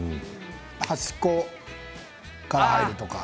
端っこから入るとか。